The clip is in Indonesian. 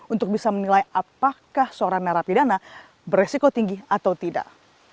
untuk bisa menilai apakah seorang narapidana beresiko tinggi atau tidak